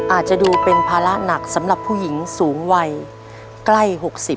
อาจจะดูเป็นภาระหนักสำหรับผู้หญิงสูงวัยใกล้๖๐